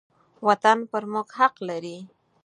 وطن پر موږ حق لري.